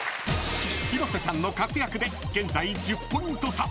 ［広瀬さんの活躍で現在１０ポイント差］